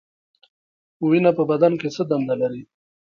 وینه په بدن کې څه دنده لري؟